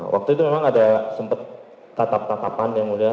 waktu itu memang ada sempat tatap tatapan yang mulia